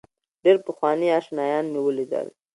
ډېر پخواني آشنایان مې ولیدل.